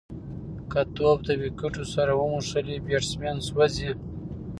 که توپ د وکټو سره وموښلي، بېټسمېن سوځي.